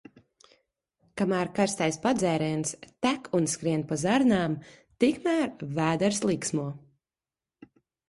Kamēr karstais padzēriens tek un skrien pa zarnām, tikmēr vēders līksmo.